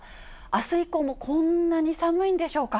あす以降もこんなに寒いんでしょうか。